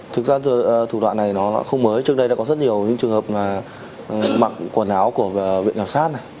thực ra thủ đoạn này nó không mới trước đây đã có rất nhiều trường hợp mặc quần áo của viện giám sát